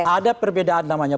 ada perbedaan namanya